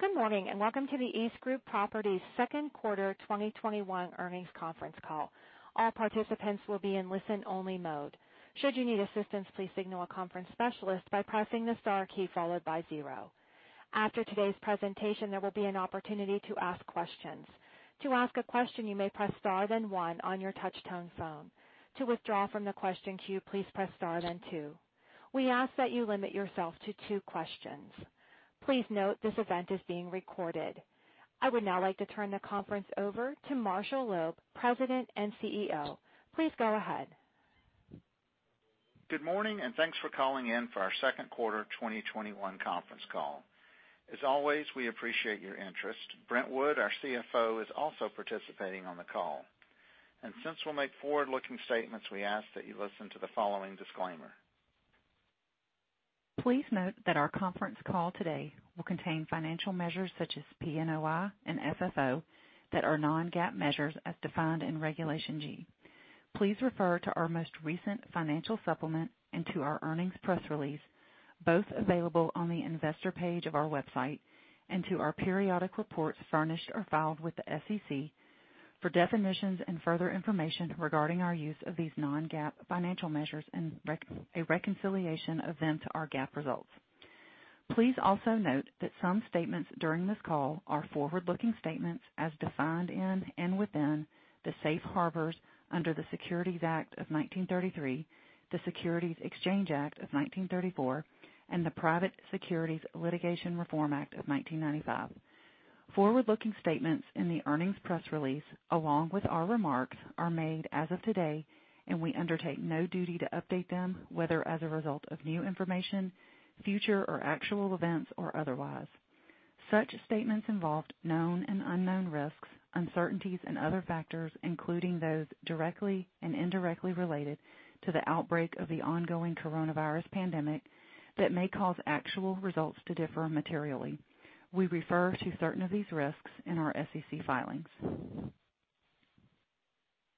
Good morning, and welcome to the EastGroup Properties second quarter 2021 earnings conference call. All participants will be in listen only mode. Should you need assistance please signal a conference specialist by pressing the star key followed by zero. After today's presentation, there will be an opportunity to ask questions. To ask a question you may press star then one on your touch tone phone. To withdraw from the question queue please press star then two. We ask that you limit yourself to two questions. Please note this event is being recorded. I would now like to turn the conference over to Marshall Loeb, President and CEO. Please go ahead. Good morning, thanks for calling in for our second quarter 2021 conference call. As always, we appreciate your interest. Brent Wood, our CFO, is also participating on the call. Since we'll make forward-looking statements, we ask that you listen to the following disclaimer. Please note that our conference call today will contain financial measures such as PNOI and FFO that are non-GAAP measures as defined in Regulation G. Please refer to our most recent financial supplement and to our earnings press release, both available on the investor page of our website, and to our periodic reports furnished or filed with the SEC for definitions and further information regarding our use of these non-GAAP financial measures and a reconciliation of them to our GAAP results. Please also note that some statements during this call are forward-looking statements as defined in and within the safe harbors under the Securities Act of 1933, the Securities Exchange Act of 1934, and the Private Securities Litigation Reform Act of 1995. Forward-looking statements in the earnings press release, along with our remarks, are made as of today. We undertake no duty to update them, whether as a result of new information, future or actual events, or otherwise. Such statements involve known and unknown risks, uncertainties, and other factors, including those directly and indirectly related to the outbreak of the ongoing coronavirus pandemic, that may cause actual results to differ materially. We refer to certain of these risks in our SEC filings.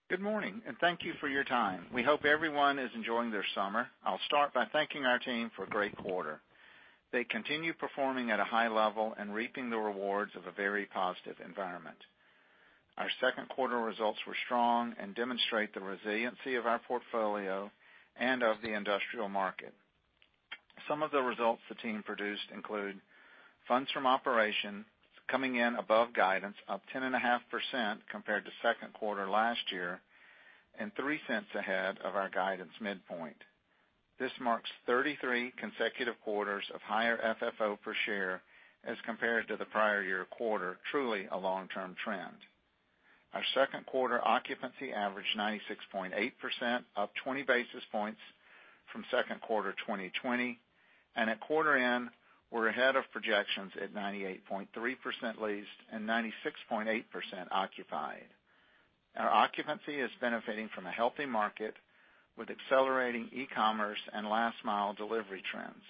Good morning. Thank you for your time. We hope everyone is enjoying their summer. I'll start by thanking our team for a great quarter. They continue performing at a high level and reaping the rewards of a very positive environment. Our second quarter results were strong and demonstrate the resiliency of our portfolio and of the industrial market. Some of the results the team produced include funds from operations coming in above guidance of 10.5% compared to second quarter last year, and $0.03 ahead of our guidance midpoint. This marks 33 consecutive quarters of higher FFO per share as compared to the prior year quarter, truly a long-term trend. Our second quarter occupancy averaged 96.8%, up 20 basis points from second quarter 2020, and at quarter end, we're ahead of projections at 98.3% leased and 96.8% occupied. Our occupancy is benefiting from a healthy market with accelerating e-commerce and last mile delivery trends.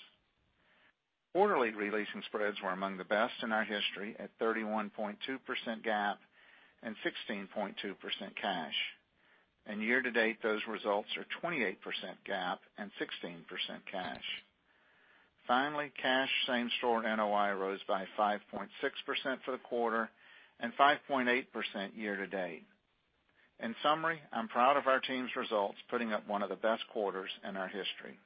Quarterly re-leasing spreads were among the best in our history at 31.2% GAAP and 16.2% cash. Year-to-date, those results are 28% GAAP and 16% cash. Finally, cash same store NOI rose by 5.6% for the quarter and 5.8% year-to-date. In summary, I'm proud of our team's results, putting up one of the best quarters in our history.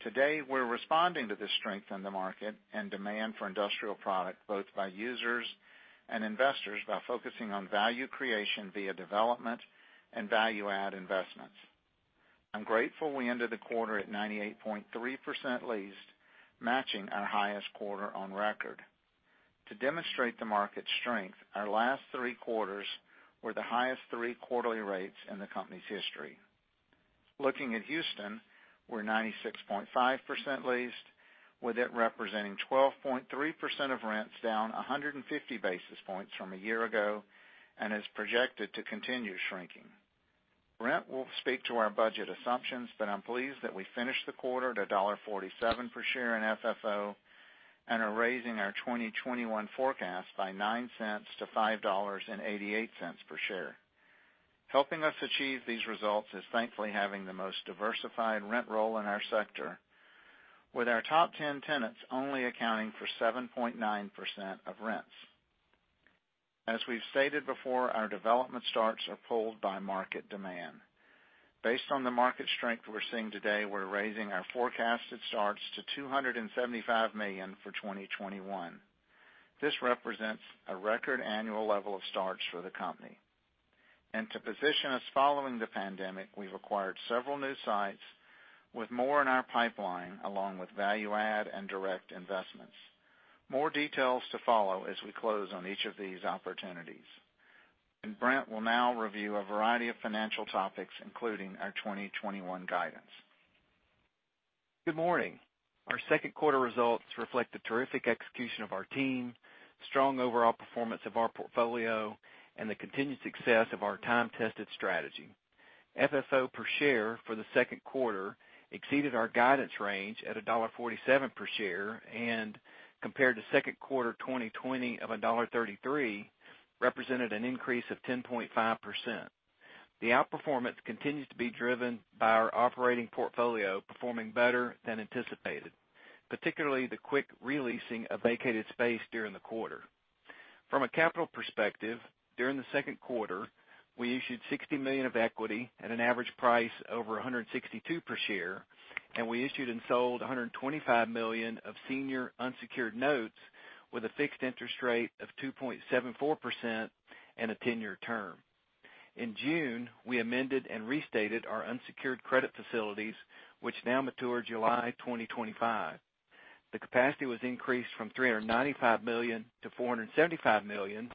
Today, we're responding to this strength in the market and demand for industrial product, both by users and investors, by focusing on value creation via development and value add investments. I'm grateful we ended the quarter at 98.3% leased, matching our highest quarter on record. To demonstrate the market's strength, our last three quarters were the highest three quarterly rates in the company's history. Looking at Houston, we're 96.5% leased, with it representing 12.3% of rents down 150 basis points from a year ago and is projected to continue shrinking. Brent will speak to our budget assumptions, but I'm pleased that we finished the quarter at $1.47 per share in FFO and are raising our 2021 forecast by $0.09 to $5.88 per share. Helping us achieve these results is thankfully having the most diversified rent roll in our sector. With our top 10 tenants only accounting for 7.9% of rents. As we've stated before, our development starts are pulled by market demand. Based on the market strength we're seeing today, we're raising our forecasted starts to $275 million for 2021. This represents a record annual level of starts for the company. To position us following the pandemic, we've acquired several new sites with more in our pipeline, along with value add and direct investments. More details to follow as we close on each of these opportunities. Brent will now review a variety of financial topics, including our 2021 guidance. Good morning. Our second quarter results reflect the terrific execution of our team, strong overall performance of our portfolio, and the continued success of our time-tested strategy. FFO per share for the second quarter exceeded our guidance range at $1.47 per share, and compared to second quarter 2020 of $1.33, represented an increase of 10.5%. The outperformance continues to be driven by our operating portfolio performing better than anticipated, particularly the quick re-leasing of vacated space during the quarter. From a capital perspective, during the second quarter, we issued $60 million of equity at an average price over $162 per share, and we issued and sold $125 million of senior unsecured notes with a fixed interest rate of 2.74% and a 10-year term. In June, we amended and restated our unsecured credit facilities, which now mature July 2025. The capacity was increased from $395 million-$475 million,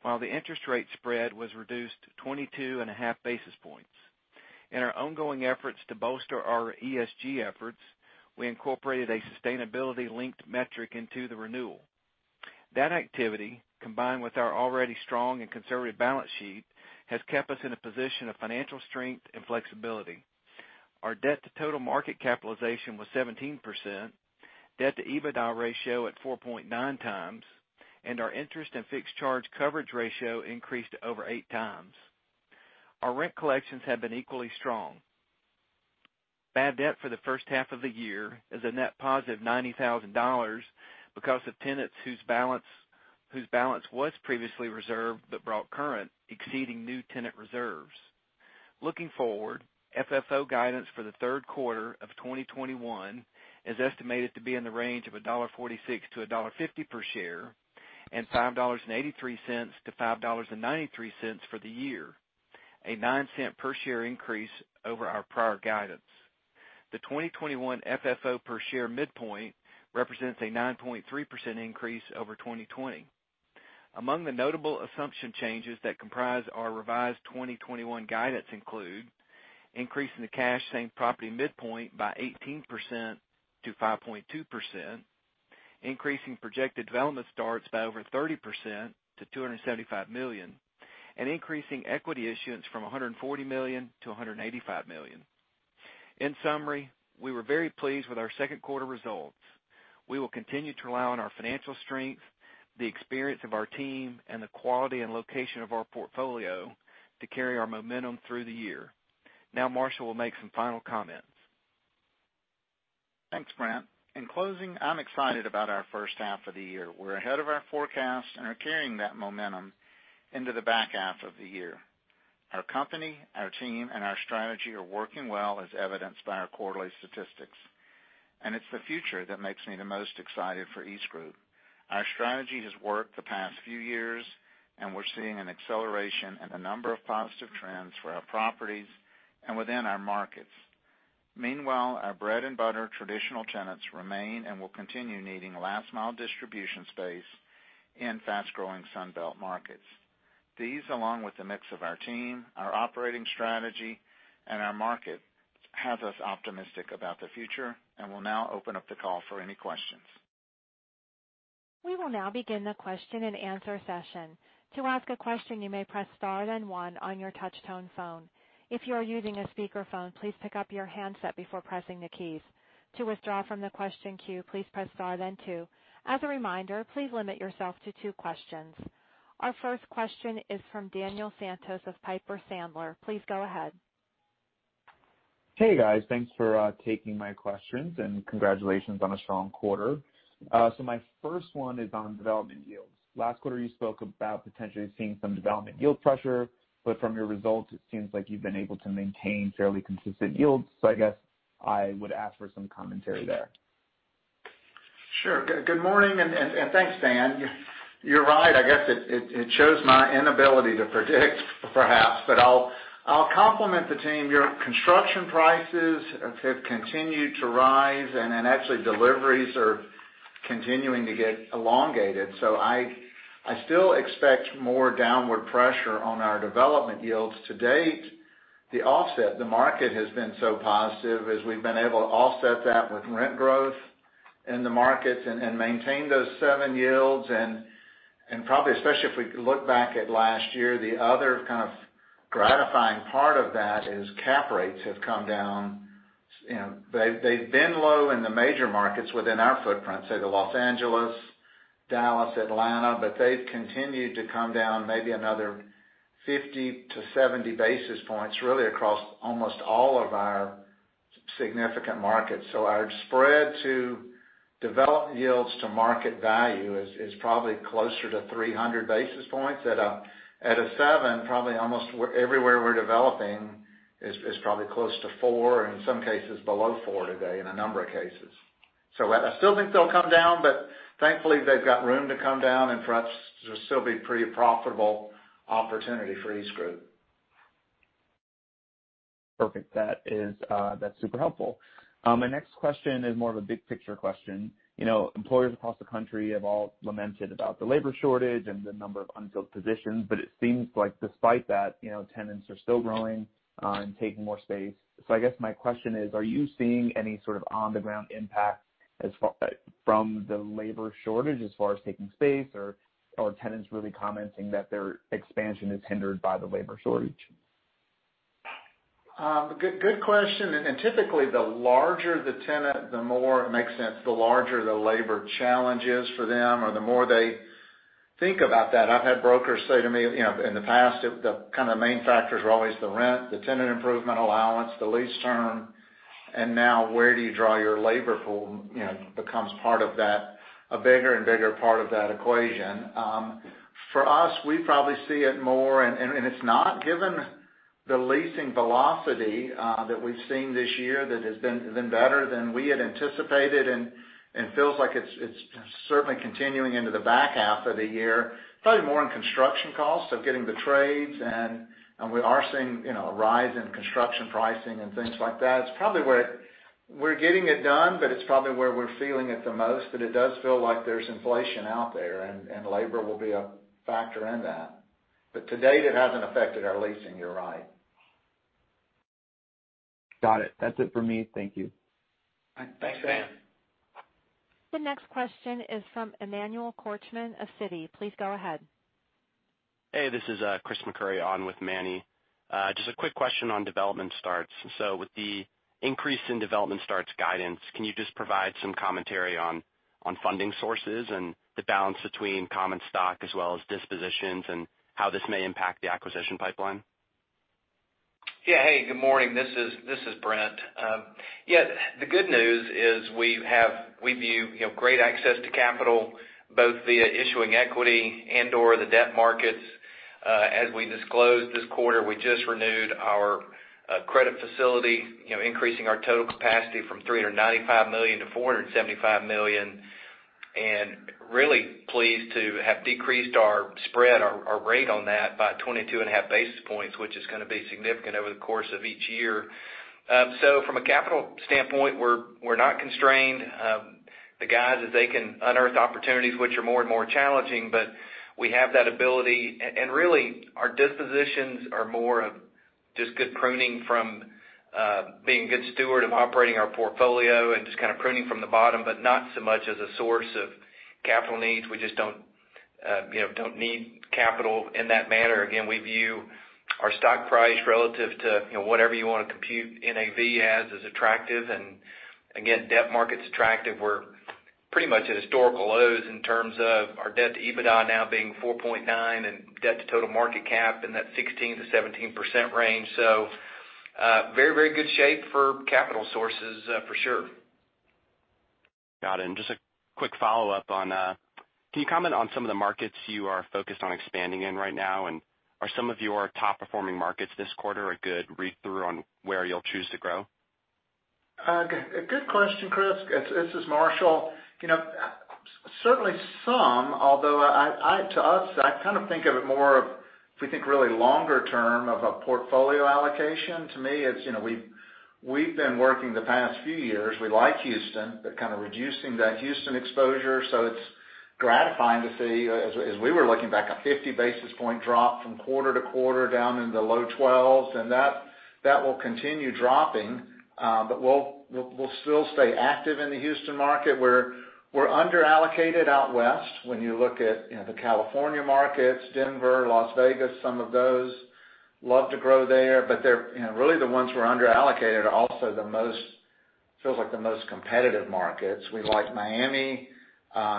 while the interest rate spread was reduced 22.5 basis points. In our ongoing efforts to bolster our ESG efforts, we incorporated a sustainability-linked metric into the renewal. That activity, combined with our already strong and conservative balance sheet, has kept us in a position of financial strength and flexibility. Our debt to total market capitalization was 17%, debt to EBITDA ratio at 4.9x, and our interest and fixed charge coverage ratio increased to over 8x. Our rent collections have been equally strong. Bad debt for the first half of the year is a net positive $90,000 because of tenants whose balance was previously reserved but brought current, exceeding new tenant reserves. Looking forward, FFO guidance for the third quarter of 2021 is estimated to be in the range of $1.46-$1.50 per share and $5.83-$5.93 for the year, a $0.09 per share increase over our prior guidance. The 2021 FFO per share midpoint represents a 9.3% increase over 2020. Among the notable assumption changes that comprise our revised 2021 guidance include increasing the cash same-property midpoint by 18%-5.2%, increasing projected development starts by over 30% to $275 million, and increasing equity issuance from $140 million-$185 million. In summary, we were very pleased with our second quarter results. We will continue to rely on our financial strength, the experience of our team, and the quality and location of our portfolio to carry our momentum through the year. Marshall will make some final comments. Thanks, Brent. In closing, I'm excited about our first half of the year. We're ahead of our forecast and are carrying that momentum into the back half of the year. Our company, our team, and our strategy are working well as evidenced by our quarterly statistics. It's the future that makes me the most excited for EastGroup. Our strategy has worked the past few years. We're seeing an acceleration in a number of positive trends for our properties and within our markets. Meanwhile, our bread and butter traditional tenants remain and will continue needing last mile distribution space in fast-growing Sun Belt markets. These, along with the mix of our team, our operating strategy, and our market, have us optimistic about the future. We'll now open up the call for any questions. We will now begin the question-and-answer session. To ask a question you may press star then one on your touch tone phone. If you're using a speaker phone, please pick up your handset before pressing the keys. To withdraw from the question queue please press star then two. Our first question is from Daniel Santos of Piper Sandler. Please go ahead. Hey, guys. Thanks for taking my questions and congratulations on a strong quarter. My first one is on development yields. Last quarter, you spoke about potentially seeing some development yield pressure, but from your results, it seems like you've been able to maintain fairly consistent yields. I guess I would ask for some commentary there. Sure. Good morning, thanks, Dan. You're right. I guess it shows my inability to predict perhaps, but I'll compliment the team. Construction prices have continued to rise, actually deliveries are continuing to get elongated. I still expect more downward pressure on our development yields. To date, the offset, the market has been so positive as we've been able to offset that with rent growth in the markets and maintain those 7% yields. Probably, especially if we look back at last year, the other kind of gratifying part of that is cap rates have come down. They've been low in the major markets within our footprint, say the Los Angeles, Dallas, Atlanta, but they've continued to come down maybe another 50 basis points-70 basis points, really across almost all of our significant markets. Our spread to develop yields to market value is probably closer to 300 basis points. At a 7%, probably almost everywhere we're developing is probably close to 4%, and in some cases below 4% today in a number of cases. I still think they'll come down, but thankfully they've got room to come down and for us to still be pretty profitable opportunity for EastGroup. Perfect. That's super helpful. My next question is more of a big picture question. Employers across the country have all lamented about the labor shortage and the number of unfilled positions. It seems like despite that, tenants are still growing and taking more space. I guess my question is, are you seeing any sort of on the ground impact from the labor shortage as far as taking space, or are tenants really commenting that their expansion is hindered by the labor shortage? Good question. Typically, the larger the tenant, the more it makes sense, the larger the labor challenge is for them or the more they think about that. I've had brokers say to me, in the past, the kind of main factors were always the rent, the tenant improvement allowance, the lease term, and now where do you draw your labor pool becomes a bigger and bigger part of that equation. For us, we probably see it more, and it's not given the leasing velocity that we've seen this year that has been better than we had anticipated and feels like it's certainly continuing into the back half of the year, probably more in construction costs. Getting the trades, and we are seeing a rise in construction pricing and things like that. We're getting it done, but it's probably where we're feeling it the most, but it does feel like there's inflation out there, and labor will be a factor in that. To date, it hasn't affected our leasing. You're right. Got it. That's it for me. Thank you. Thanks, Dan. The next question is from Emmanuel Korchman of Citi. Please go ahead. Hey, this is Chris McCurry on with Manny. Just a quick question on development starts. With the increase in development starts guidance, can you just provide some commentary on funding sources and the balance between common stock as well as dispositions and how this may impact the acquisition pipeline? Good morning. This is Brent. The good news is we view great access to capital, both via issuing equity and/or the debt markets. As we disclosed this quarter, we just renewed our credit facility, increasing our total capacity from $395 million-$475 million. Really pleased to have decreased our spread, our rate on that by 22.5 basis points, which is going to be significant over the course of each year. From a capital standpoint, we're not constrained. The guys, as they can unearth opportunities which are more and more challenging, but we have that ability. Really, our dispositions are more of just good pruning from being a good steward of operating our portfolio and just kind of pruning from the bottom, but not so much as a source of capital needs. We just don't need capital in that manner. Again, we view our stock price relative to whatever you want to compute NAV as is attractive. Again, debt markets attractive. We're pretty much at historical lows in terms of our debt to EBITDA now being 4.9 and debt to total market cap in that 16%-17% range. Very good shape for capital sources, for sure. Got it. Just a quick follow-up on, can you comment on some of the markets you are focused on expanding in right now, and are some of your top-performing markets this quarter a good read-through on where you'll choose to grow? Good question, Chris. This is Marshall. Certainly some, although to us, I kind of think of it more of, if we think really longer term of a portfolio allocation, to me, we've been working the past few years. We like Houston, but kind of reducing that Houston exposure. It's gratifying to see, as we were looking back, a 50-basis point drop from quarter-to-quarter down in the low 12%s, and that will continue dropping. We'll still stay active in the Houston market. We're under-allocated out west when you look at the California markets, Denver, Las Vegas, some of those. Love to grow there, but really, the ones we're under-allocated are also feels like the most competitive markets. We like Miami,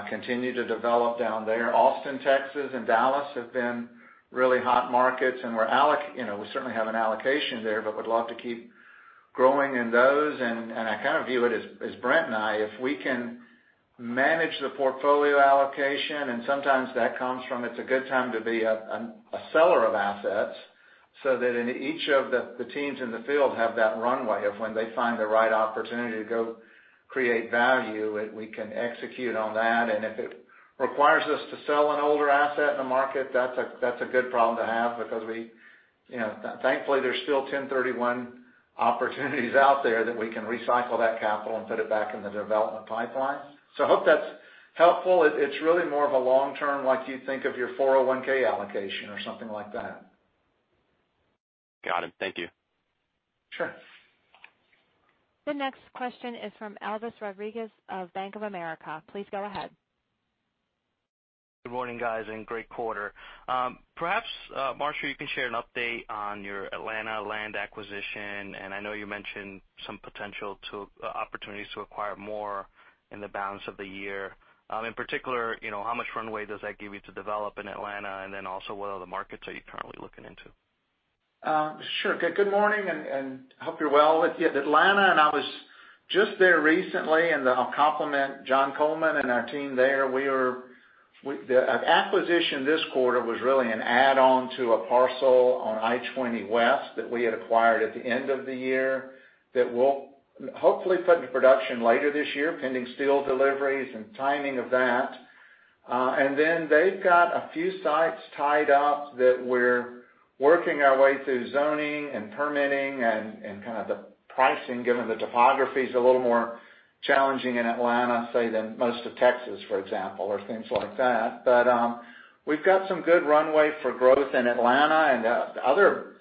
continue to develop down there. Austin, Texas, and Dallas have been really hot markets. We certainly have an allocation there, but we'd love to keep growing in those. I kind of view it as Brent and I, if we can manage the portfolio allocation, and sometimes that comes from it's a good time to be a seller of assets, so that in each of the teams in the field have that runway of when they find the right opportunity to go create value, we can execute on that. If it requires us to sell an older asset in the market, that's a good problem to have because thankfully, there's still 1031 opportunities out there that we can recycle that capital and put it back in the development pipeline. I hope that's helpful. It's really more of a long-term, like you'd think of your 401k allocation or something like that. Got it. Thank you. Sure. The next question is from Elvis Rodriguez of Bank of America. Please go ahead. Good morning, guys. Great quarter. Perhaps, Marshall, you can share an update on your Atlanta land acquisition, and I know you mentioned some potential opportunities to acquire more in the balance of the year. In particular, how much runway does that give you to develop in Atlanta? Also, what other markets are you currently looking into? Sure. Good morning and hope you're well. Atlanta. I was just there recently, and I'll compliment John Coleman and our team there. The acquisition this quarter was really an add-on to a parcel on I-20 West that we had acquired at the end of the year that we'll hopefully put into production later this year, pending steel deliveries and timing of that. They've got a few sites tied up that we're working our way through zoning and permitting and kind of the pricing, given the topography's a little more challenging in Atlanta, say, than most of Texas, for example, or things like that. We've got some good runway for growth in Atlanta. The other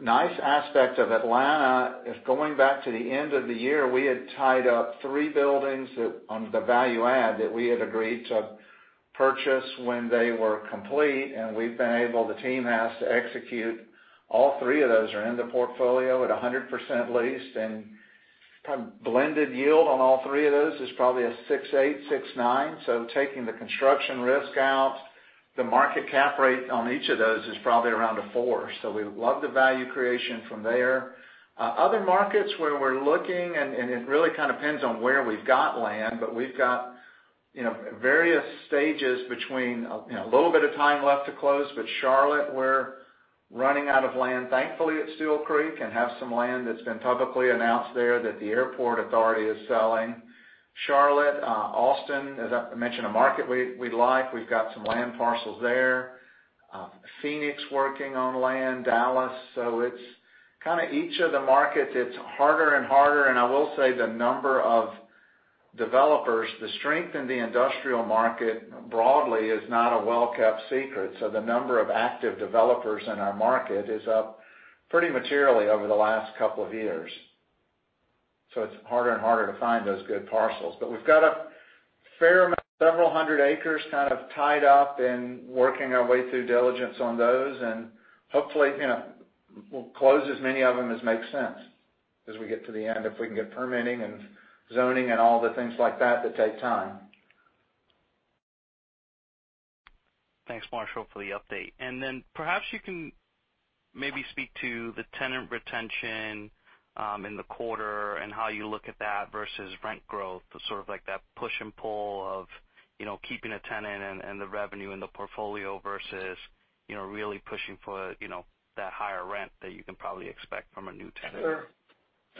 nice aspect of Atlanta, if going back to the end of the year, we had tied up three buildings on the value add that we had agreed to purchase when they were complete, and we've been able, the team has, to execute. All three of those are in the portfolio at 100% leased. Kind of blended yield on all three of those is probably a 6.8%, 6.9%. Taking the construction risk out, the market cap rate on each of those is probably around a 4%. We love the value creation from there. Other markets where we're looking, and it really kind of depends on where we've got land, but we've got various stages between a little bit of time left to close. Charlotte, we're running out of land, thankfully, at Steele Creek, and have some land that's been publicly announced there that the airport authority is selling. Charlotte, Austin, as I mentioned, a market we like. We've got some land parcels there. Phoenix, working on land, Dallas. It's kind of each of the markets, it's harder and harder. I will say, the number of developers, the strength in the industrial market broadly is not a well-kept secret. The number of active developers in our market is up pretty materially over the last couple of years. It's harder and harder to find those good parcels. We've got a fair amount, several hundred acres kind of tied up and working our way through diligence on those, and hopefully, we'll close as many of them as makes sense as we get to the end, if we can get permitting and zoning and all the things like that take time. Thanks, Marshall, for the update. Then perhaps you can maybe speak to the tenant retention in the quarter and how you look at that versus rent growth, sort of like that push and pull of keeping a tenant and the revenue in the portfolio versus really pushing for that higher rent that you can probably expect from a new tenant. Sure.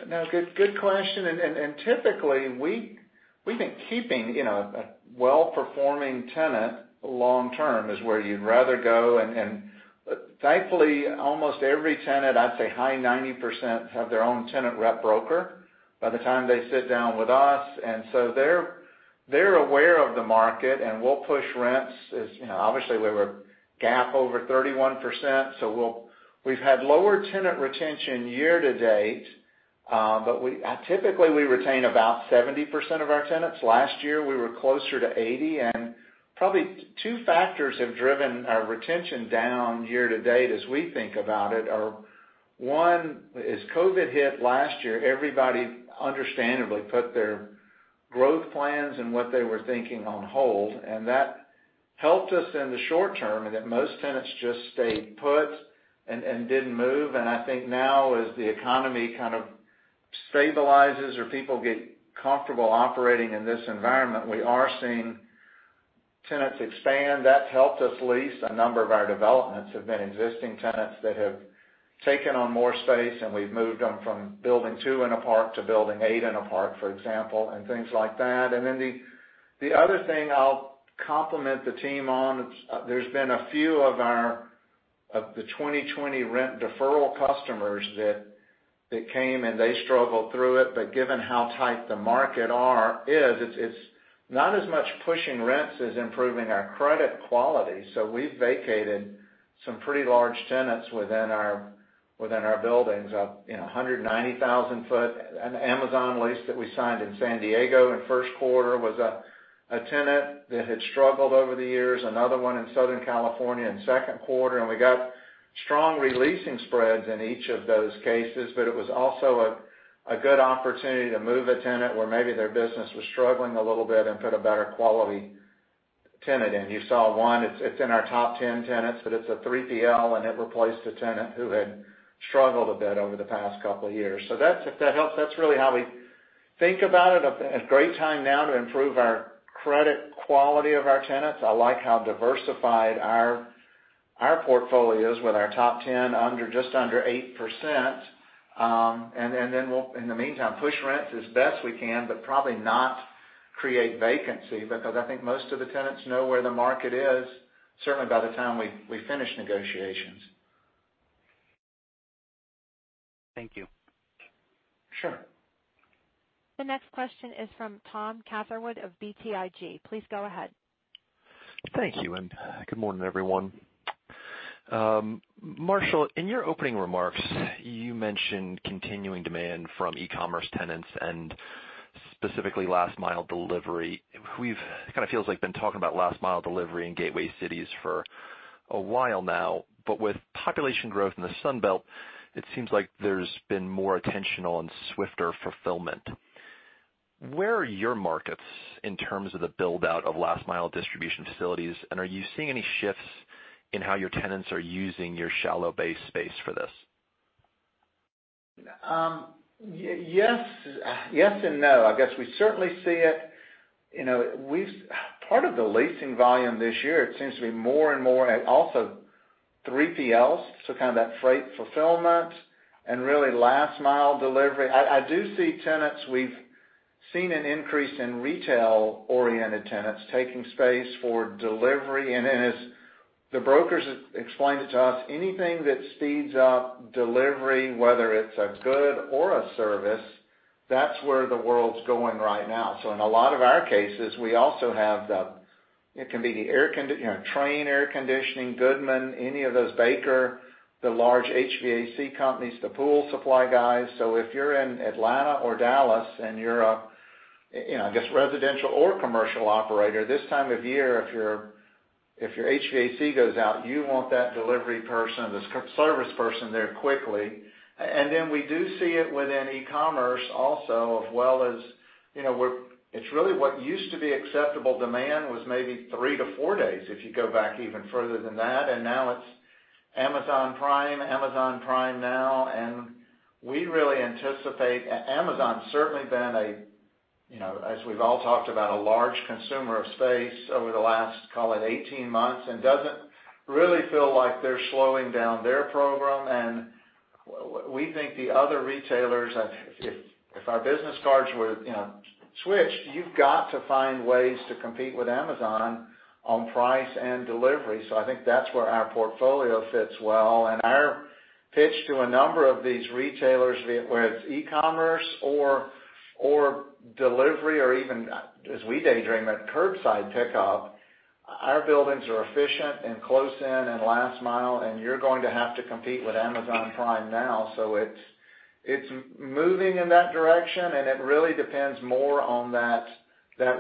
No, good question. Typically, we think keeping a well-performing tenant long-term is where you'd rather go. Thankfully, almost every tenant, I'd say high 90%, have their own tenant rep broker by the time they sit down with us. They're aware of the market, and we'll push rents. Obviously, we were GAAP over 31%, so we've had lower tenant retention year to date. Typically, we retain about 70% of our tenants. Last year, we were closer to 80%. Probably two factors have driven our retention down year-to-date as we think about it are, one, as COVID hit last year, everybody understandably put their growth plans and what they were thinking on hold, and that helped us in the short term in that most tenants just stayed put and didn't move. I think now as the economy kind of stabilizes or people get comfortable operating in this environment, we are seeing tenants expand. That's helped us lease. A number of our developments have been existing tenants that have taken on more space, and we've moved them from building two in a park to building eight in a park, for example, and things like that. Then the other thing I'll compliment the team on, there's been a few of the 2020 rent deferral customers that came, and they struggled through it. Given how tight the market is, it's not as much pushing rents as improving our credit quality. We've vacated some pretty large tenants within our buildings. 190,000 sq ft, an Amazon lease that we signed in San Diego in first quarter was a tenant that had struggled over the years, another one in Southern California in second quarter. We got strong re-leasing spreads in each of those cases. It was also a good opportunity to move a tenant where maybe their business was struggling a little bit and put a better quality tenant in. You saw one, it's in our top 10 tenants, but it's a 3PL, and it replaced a tenant who had struggled a bit over the past couple of years. If that helps, that's really how we think about it. A great time now to improve our credit quality of our tenants. I like how diversified our portfolio is with our top 10 just under 8%. We'll, in the meantime, push rents as best we can but probably not create vacancy, because I think most of the tenants know where the market is, certainly by the time we finish negotiations. Thank you. Sure. The next question is from Tom Catherwood of BTIG. Please go ahead. Thank you, good morning, everyone. Marshall, in your opening remarks, you mentioned continuing demand from e-commerce tenants and specifically last-mile delivery. We've, kind of feels like, been talking about last-mile delivery in gateway cities for a while now. With population growth in the Sun Belt, it seems like there's been more attention on swifter fulfillment. Where are your markets in terms of the build-out of last-mile distribution facilities, and are you seeing any shifts in how your tenants are using your shallow bay space for this? Yes and no. I guess we certainly see it. Part of the leasing volume this year, it seems to be more and more at also 3PLs, so kind of that freight fulfillment and really last-mile delivery. I do see tenants. We've seen an increase in retail-oriented tenants taking space for delivery. As the brokers explained it to us, anything that speeds up delivery, whether it's a good or a service. That's where the world's going right now. In a lot of our cases, we also have Trane air conditioning, Goodman, any of those, Baker, the large HVAC companies, the pool supply guys. If you're in Atlanta or Dallas and you're a, I guess, residential or commercial operator, this time of year, if your HVAC goes out, you want that delivery person or the service person there quickly. Then we do see it within e-commerce also as well as, it's really what used to be acceptable demand was maybe three to four days if you go back even further than that. Now it's Amazon Prime, Amazon Prime Now, and we really anticipate. Amazon's certainly been a, as we've all talked about, a large consumer of space over the last, call it 18 months, and doesn't really feel like they're slowing down their program. We think the other retailers, if our business cards were switched, you've got to find ways to compete with Amazon on price and delivery. I think that's where our portfolio fits well. Our pitch to a number of these retailers, whether it's e-commerce or delivery or even, as we daydream, a curbside pickup, our buildings are efficient and close in and last mile, and you're going to have to compete with Amazon Prime Now. It's moving in that direction, and it really depends more on that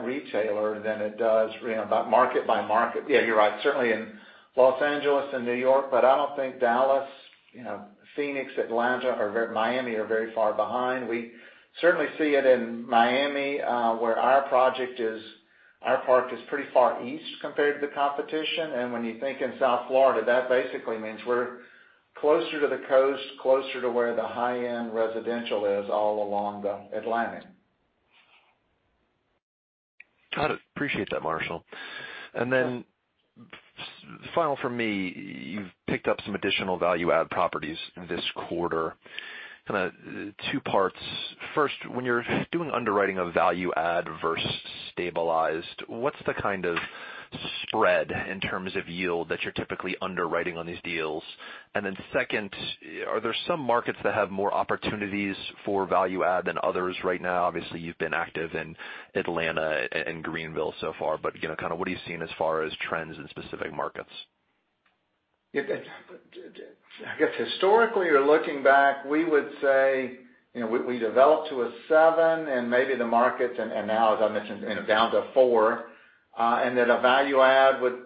retailer than it does by market-by-market. Yeah, you're right. Certainly, in Los Angeles and New York, but I don't think Dallas, Phoenix, Atlanta, or Miami are very far behind. We certainly see it in Miami, where our park is pretty far east compared to the competition. When you think in South Florida, that basically means we're closer to the coast, closer to where the high-end residential is all along the Atlantic. Got it. Appreciate that, Marshall. Sure. Final from me, you've picked up some additional value add properties this quarter. Kind of two parts. First, when you're doing underwriting of value add versus stabilized, what's the kind of spread in terms of yield that you're typically underwriting on these deals? Second, are there some markets that have more opportunities for value add than others right now? Obviously, you've been active in Atlanta and Greenville so far, but kind of what are you seeing as far as trends in specific markets? I guess historically or looking back, we would say we develop to a 7% in maybe the markets, and now, as I mentioned, down to a 4%, and that a value-add would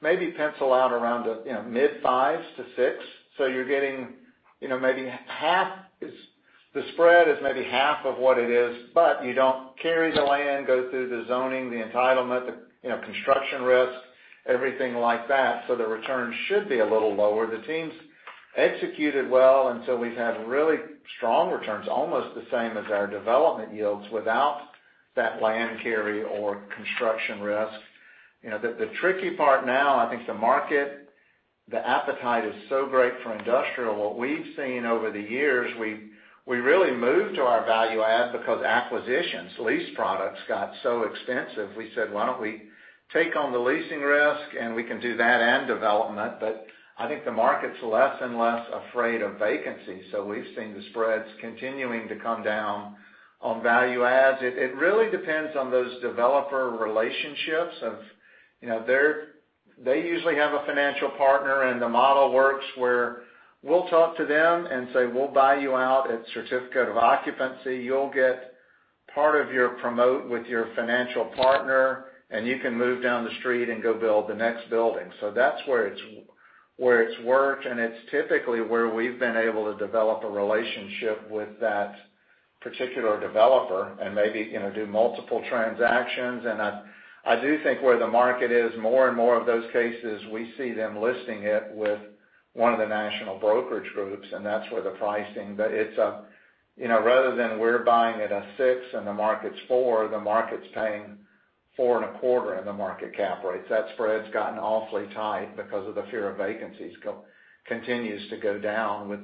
maybe pencil out around mid 5%s-6%s. The spread is maybe half of what it is, but you don't carry the land, go through the zoning, the entitlement, the construction risk, everything like that. The return should be a little lower. The team's executed well, we've had really strong returns, almost the same as our development yields without that land carry or construction risk. The tricky part now, I think the market, the appetite is so great for industrial. What we've seen over the years, we really moved to our value-add because acquisitions, lease products got so expensive. We said, "Why don't we take on the leasing risk, and we can do that and development." I think the market's less and less afraid of vacancy. We've seen the spreads continuing to come down on value-adds. It really depends on those developer relationships. They usually have a financial partner, and the model works where we'll talk to them and say, "We'll buy you out at certificate of occupancy. You'll get part of your promote with your financial partner, and you can move down the street and go build the next building." That's where it's worked, and it's typically where we've been able to develop a relationship with that particular developer and maybe do multiple transactions. I do think where the market is, more and more of those cases, we see them listing it with one of the national brokerage groups, and that's where the pricing. Rather than we're buying at a 6% and the market's 4%, the market's paying 4.25% in the market cap rates. That spread's gotten awfully tight because of the fear of vacancies continues to go down with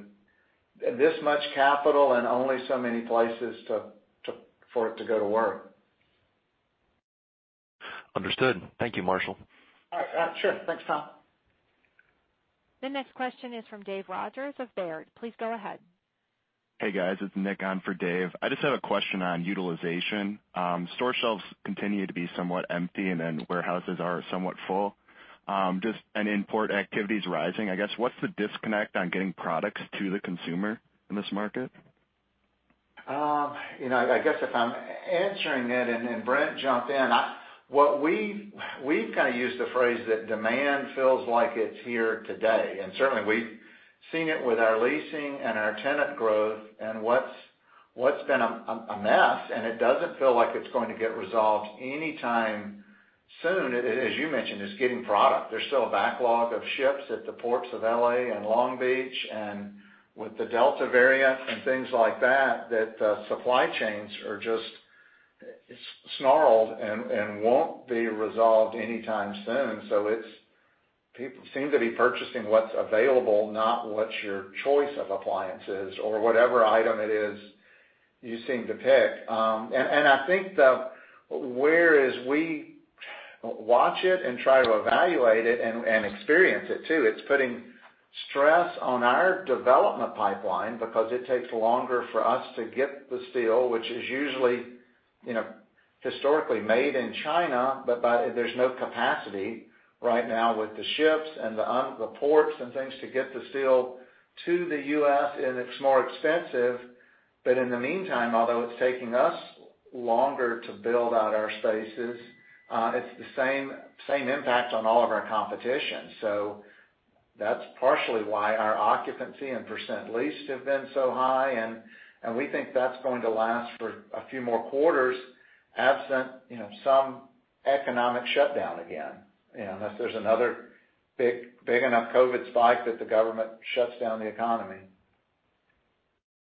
this much capital and only so many places for it to go to work. Understood. Thank you, Marshall. All right. Sure. Thanks, Tom. The next question is from Dave Rogers of Baird. Please go ahead. Hey, guys. It's Nick on for Dave. I just have a question on utilization. Store shelves continue to be somewhat empty, and then warehouses are somewhat full. Just an import activity is rising. I guess, what's the disconnect on getting products to the consumer in this market? I guess if I'm answering that, then Brent jump in. We've kind of used the phrase that demand feels like it's here today. Certainly, we've seen it with our leasing and our tenant growth and what's been a mess, and it doesn't feel like it's going to get resolved anytime soon, as you mentioned, is getting product. There's still a backlog of ships at the ports of L.A. and Long Beach, with the Delta variant and things like that, supply chains are just snarled and won't be resolved anytime soon. Its people seem to be purchasing what's available, not what your choice of appliance is or whatever item it is you seem to pick. I think the, whereas we watch it and try to evaluate it and experience it too. It's putting stress on our development pipeline because it takes longer for us to get the steel, which is usually historically made in China, but there's no capacity right now with the ships and the ports and things to get the steel to the U.S., and it's more expensive. In the meantime, although it's taking us longer to build out our spaces, it's the same impact on all of our competition. That's partially why our occupancy and percent leased have been so high, and we think that's going to last for a few more quarters, absent some economic shutdown again, unless there's another big enough COVID spike that the government shuts down the economy.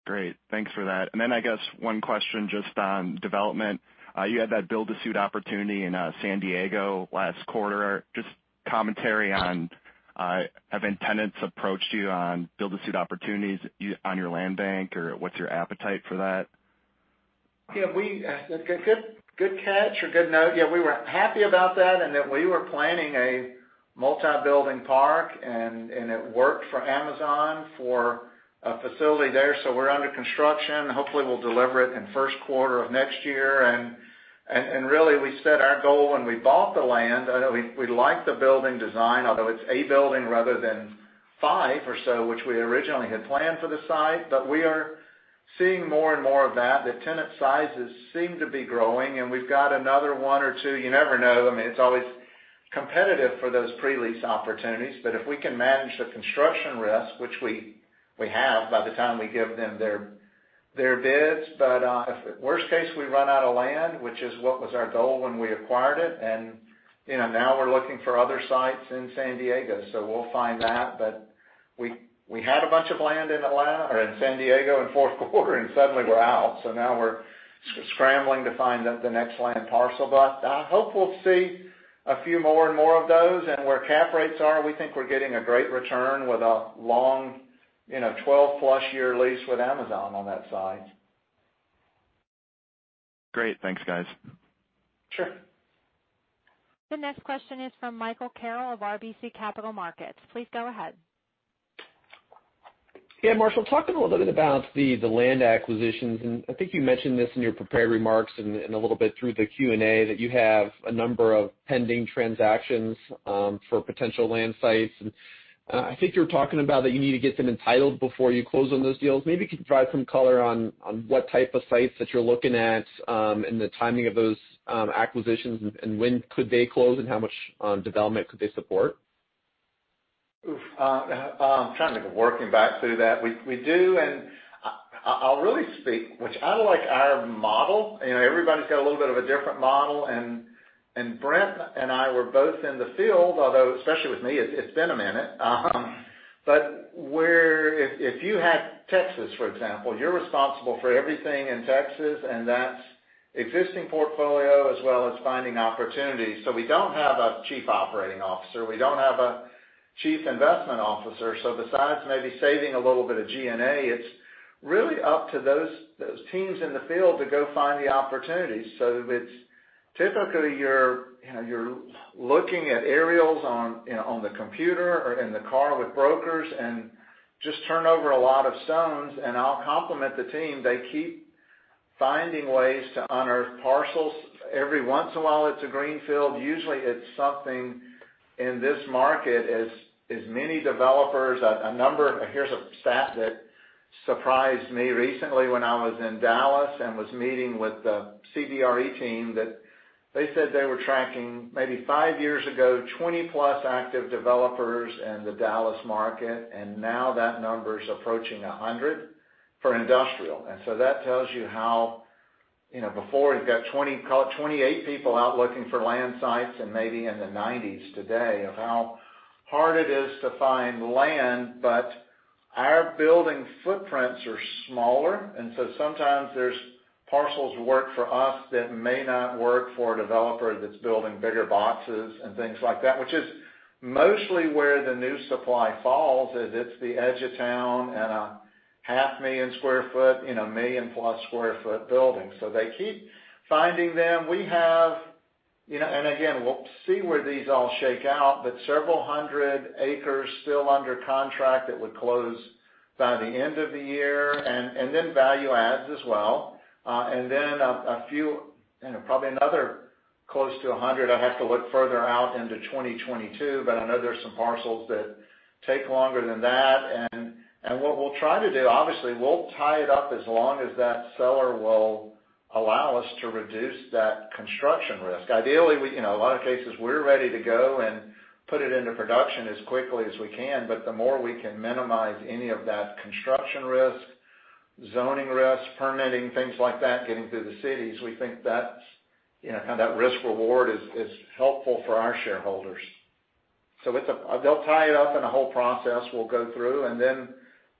Great. Thanks for that. I guess, one question just on development. You had that build to suit opportunity in San Diego last quarter. Just commentary on, have tenants approached you on build to suit opportunities on your land bank, or what's your appetite for that? Yeah. Good catch or good note. Yeah, we were happy about that, and that we were planning a multi-building park, and it worked for Amazon for a facility there. We're under construction. Hopefully, we'll deliver it in first quarter of next year. Really, we set our goal when we bought the land. We liked the building design, although it's a building rather than five or so, which we originally had planned for the site. We are seeing more and more of that. The tenant sizes seem to be growing, and we've got another one or two. You never know. I mean, it's always competitive for those pre-lease opportunities, but if we can manage the construction risk, which we have by the time we give them their bids. Worst case, we run out of land, which is what was our goal when we acquired it. Now we're looking for other sites in San Diego. We'll find that. We had a bunch of land in San Diego in fourth quarter, and suddenly we're out. Now we're scrambling to find the next land parcel, but I hope we'll see a few more and more of those. Where cap rates are, we think we're getting a great return with a long, 12+ year lease with Amazon on that site. Great. Thanks, guys. Sure. The next question is from Michael Carroll of RBC Capital Markets. Please go ahead. Yeah, Marshall, talk a little bit about the land acquisitions, and I think you mentioned this in your prepared remarks and a little bit through the Q&A, that you have a number of pending transactions for potential land sites. I think you were talking about that you need to get them entitled before you close on those deals. Maybe you could provide some color on what type of sites that you're looking at, and the timing of those acquisitions, and when could they close, and how much development could they support? I'm trying to think of working back through that. We do, and I'll really speak, which I like our model. Everybody's got a little bit of a different model, and Brent and I were both in the field. Although, especially with me, it's been a minute. If you have Texas, for example, you're responsible for everything in Texas, and that's existing portfolio as well as finding opportunities. We don't have a chief operating officer. We don't have a chief investment officer. Besides maybe saving a little bit of G&A, it's really up to those teams in the field to go find the opportunities. It's typically you're looking at aerials on the computer or in the car with brokers and just turn over a lot of stones. I'll compliment the team. They keep finding ways to unearth parcels. Every once in a while, it's greenfield. Usually, it's something in this market as many developers. Here's a stat that surprised me recently when I was in Dallas and was meeting with the CBRE team. They said they were tracking maybe five years ago, 20+ active developers in the Dallas market, now that number's approaching 100 for industrial. That tells you how, before you've got 28 people out looking for land sites and maybe in the 90s today, of how hard it is to find land. Our building footprints are smaller, sometimes there's parcels work for us that may not work for a developer that's building bigger boxes and things like that, which is mostly where the new supply falls, is it's the edge of town and a 500,000 sq ft, and 1,000,000+ sq ft building. They keep finding them. Again, we'll see where these all shake out, but several hundred acres still under contract that would close by the end of the year, and then value-adds as well. A few, probably another close to 100, I have to look further out into 2022, but I know there's some parcels that take longer than that. What we'll try to do, obviously, we'll tie it up as long as that seller will allow us to reduce that construction risk. Ideally, in a lot of cases, we're ready to go and put it into production as quickly as we can. The more we can minimize any of that construction risk, zoning risk, permitting, things like that, getting through the cities, we think that risk/reward is helpful for our shareholders. They'll tie it up, and a whole process we'll go through.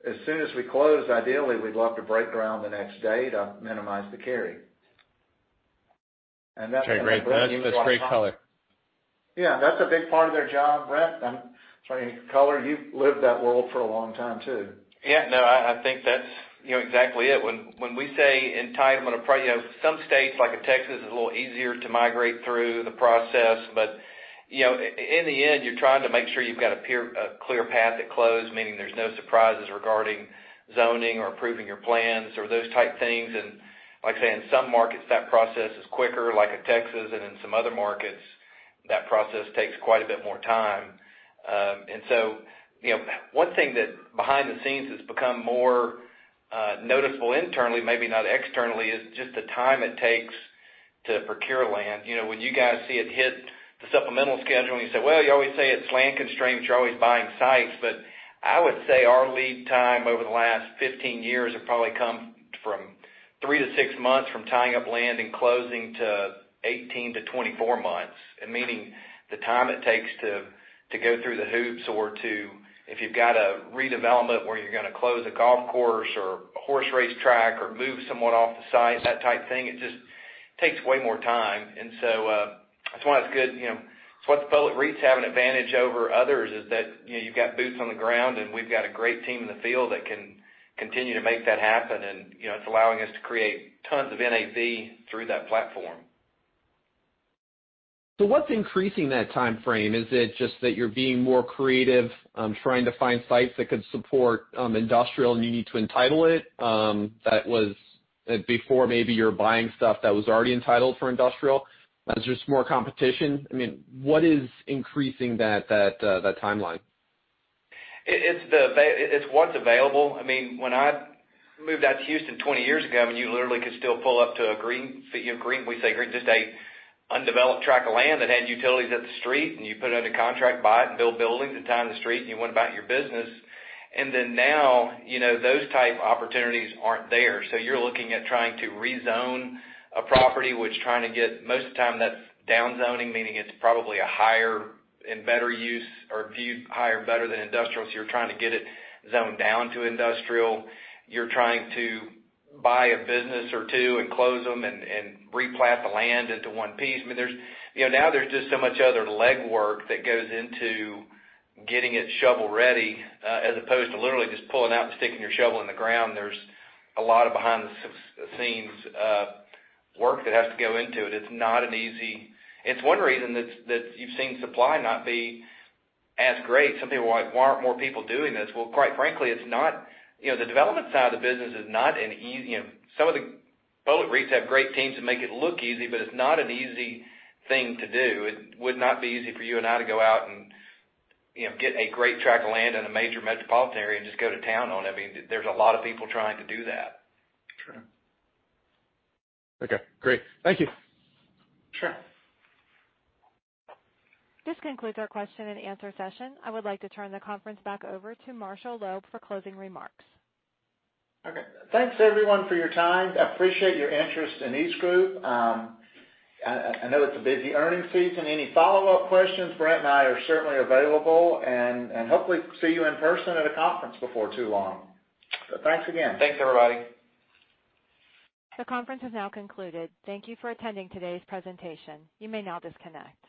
As soon as we close, ideally, we'd love to break ground the next day to minimize the carry. Okay, great. That's great color. Yeah, that's a big part of their job, Brent, I'm sorry, Carroll, you've lived that world for a long time, too. Yeah, no, I think that's exactly it. When we say entitlement, some states, like Texas, is a little easier to migrate through the process. In the end, you're trying to make sure you've got a clear path at close, meaning there's no surprises regarding zoning or approving your plans or those type things. Like I say, in some markets, that process is quicker, like in Texas, and in some other markets, that process takes quite a bit more time. One thing that behind the scenes has become more noticeable internally, maybe not externally, is just the time it takes to procure land. When you guys see it hit the supplemental schedule, and you say, "Well, you always say it's land constraints, you're always buying sites." I would say our lead time over the last 15 years have probably come from three to six months from tying up land and closing to 18 to 24 months. Meaning, the time it takes to go through the hoops or if you've got a redevelopment where you're gonna close a golf course or a horse racetrack or move someone off the site, that type thing, it just takes way more time. That's why it's good. That's why the public REITs have an advantage over others, is that you've got boots on the ground, and we've got a great team in the field that can continue to make that happen. It's allowing us to create tons of NAV through that platform. What's increasing that timeframe? Is it just that you're being more creative, trying to find sites that could support industrial and you need to entitle it? That was before maybe you were buying stuff that was already entitled for industrial. Is it just more competition? I mean, what is increasing that timeline? It's what's available. When I moved out to Houston 20 years ago, you literally could still pull up to a green, we say green, just a undeveloped tract of land that had utilities at the street, and you put it under contract, buy it, and build buildings at the end of the street, and you went about your business. Now, those type of opportunities aren't there. You're looking at trying to rezone a property, which trying to get most of the time that's down zoning, meaning it's probably a higher and better use or viewed higher and better than industrial, so you're trying to get it zoned down to industrial. You're trying to buy a business or two and close them and replat the land into one piece. There's just so much other legwork that goes into getting it shovel-ready, as opposed to literally just pulling out and sticking your shovel in the ground. There's a lot of behind-the-scenes work that has to go into it. It's not an easy. It's one reason that you've seen supply not be as great. Some people are like, "Why aren't more people doing this?" Quite frankly, the development side of the business is not an easy. Some of the public REITs have great teams that make it look easy, but it's not an easy thing to do. It would not be easy for you and I to go out and get a great tract of land in a major metropolitan area and just go to town on it. There's a lot of people trying to do that. True. Okay, great. Thank you. Sure. This concludes our question-and-answer session. I would like to turn the conference back over to Marshall Loeb for closing remarks. Okay. Thanks everyone for your time. I appreciate your interest in EastGroup. I know it's a busy earnings season. Any follow-up questions, Brent and I are certainly available, and hopefully see you in person at a conference before too long. Thanks again. Thanks, everybody. The conference has now concluded. Thank you for attending today's presentation. You may now disconnect.